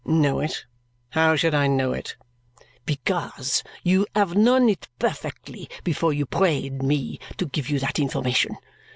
"Know it? How should I know it?" "Because you have known it perfectly before you prayed me to give you that information.